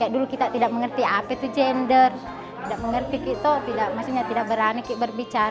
dulu kita tidak mengerti apa itu gender tidak berani berbicara